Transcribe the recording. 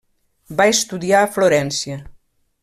Va estudiar a Florència.